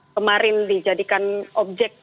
kemarin dijadikan objek